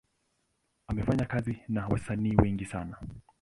Amefanya kazi na wasanii wengi sana.